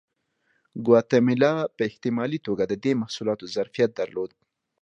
ګواتیمالا په احتمالي توګه د دې محصولاتو ظرفیت درلود.